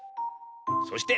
そして。